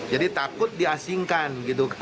jadi takut diasingkan